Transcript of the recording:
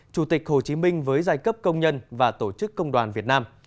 chủ tịch hồ chí minh với giai cấp công nhân và tổ chức công đoàn việt nam